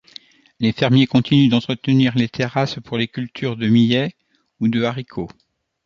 Les fermiers continuent d’entretenir les terrasses pour les cultures de millet ou de haricots.